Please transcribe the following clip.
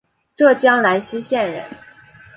浙江兰溪县人。